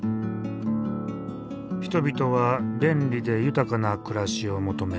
人々は便利で豊かな暮らしを求め